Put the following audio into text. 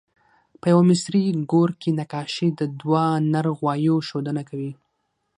په یوه مصري ګور کې نقاشي د دوه نر غوایو ښودنه کوي.